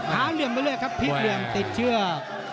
หาเหลี่ยมไปเรื่อยครับพริ้วเหลี่ยมติดเชือก